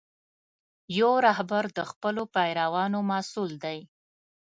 یو رهبر د خپلو پیروانو مسؤل دی.